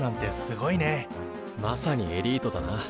まさにエリートだな。